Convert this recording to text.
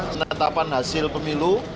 menetapkan hasil pemilu